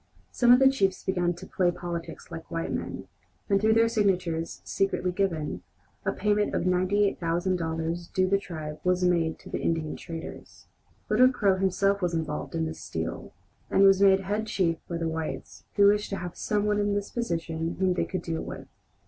Some of the chiefs began to "play politics" like white men, and through their signatures, secretly given, a payment of $98,000 due the tribe was made to the Indian traders. Little Crow himself was involved in this steal, and was made head chief by the whites, who wished to have some one in this position whom they could deal with.